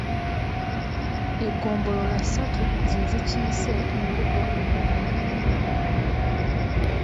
Eggombolola ssatu ze zikiise embuga olwaleero.